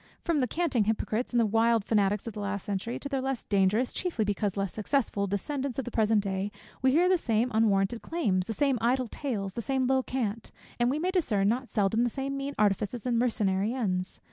From the canting hypocrites and wild fanatics of the last century, to their less dangerous, chiefly because less successful, descendants of the present day, we hear the same unwarranted claims, the same idle tales, the same low cant; and we may discern not seldom the same mean artifices and mercenary ends.